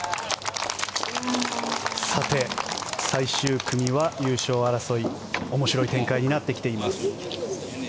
さて、最終組は優勝争い面白い展開になってきています。